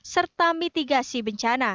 serta mitigasi bencana